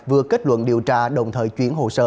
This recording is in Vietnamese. vừa kết luận điều tra đồng thời chuyển hồ sơ